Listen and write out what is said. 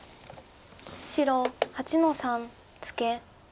白８の三ツケ。